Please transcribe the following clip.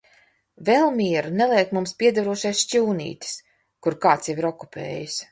Vēl mieru neliek mums piederošais šķūnītis, kuru kāds jau ir okupējis.